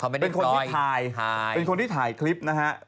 เป็นคนที่ถ่ายคลิปนะฮะ